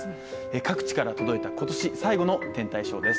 各地から届いた今年最後の天体ショーです。